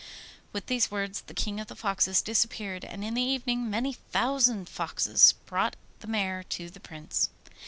With these words the King of the Foxes disappeared, and in the evening many thousand foxes brought the mare to the Prince.